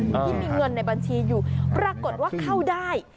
ที่มีเงินในบัญชีอยู่ปรากฏว่าเข้าได้